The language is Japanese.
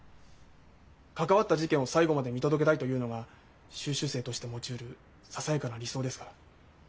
関わった事件を最後まで見届けたいというのが修習生として持ちうるささやかな理想ですから。